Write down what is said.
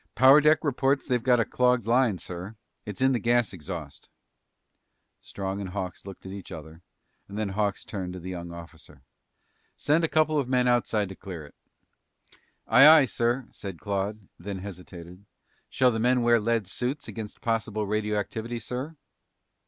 "Power deck reports they've got a clogged line, sir. It's in the gas exhaust." Strong and Hawks looked at each other, and then Hawks turned to the young officer. "Send a couple of men outside to clear it." "Aye, aye, sir," said Claude, and then hesitated. "Shall the men wear lead suits against possible radioactivity, sir?"